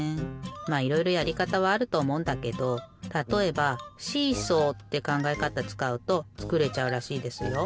まあいろいろやりかたはあるとおもうんだけどたとえばシーソーってかんがえ方つかうとつくれちゃうらしいですよ。